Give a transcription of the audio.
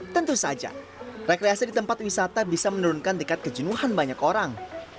tentu saja rekreasi di tempat wisata bisa menurunkan tingkat kejenuhan banyak orang